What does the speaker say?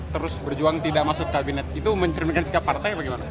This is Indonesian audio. terus berjuang tidak masuk kabinet itu mencerminkan sikap partai bagaimana